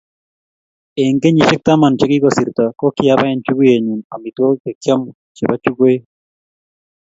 eng kenyisiek taman chekikosirto, ko kiabaen chukuyenyu omitwogik chekiyomo chebo chukuyoik